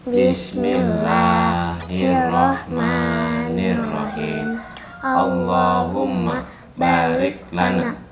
bismillahirrohmanirrohim allahumma balik lanak